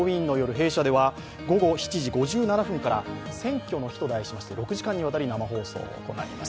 弊社では午後７時５７分から「選挙の日」と題しまして６時間にわたり生放送を行います。